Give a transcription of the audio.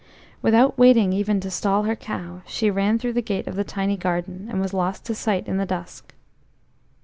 Without waiting even to stall her cow, she ran through the gate of the tiny garden, and was lost to sight in the dusk.